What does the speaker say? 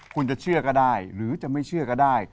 คุณจะเชื่อก็ได้หรือจะไม่เชื่อก็ได้